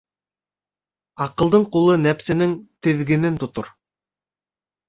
Аҡылдың ҡулы нәпсенең теҙгенен тотор.